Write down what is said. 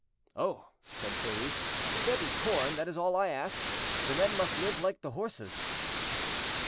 "Oh!" said Joyeuse, "if there be corn, that is all I ask; the men must live like the horses."